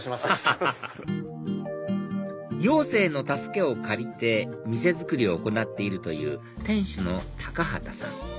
ハハハハヨウセイの助けを借りて店づくりを行っているという店主の畑さん